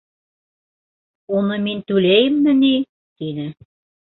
— Уны мин түләйемме ни? — тине.